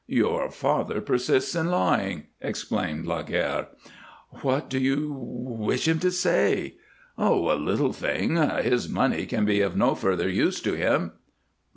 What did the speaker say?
"Your father persists in lying," explained Laguerre. "What do you wish him to say?" "A little thing. His money can be of no further use to him."